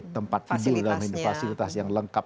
tempat tidur dan fasilitas yang lengkap